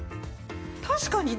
確かにね